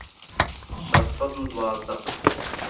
شەش سەد و دوازدە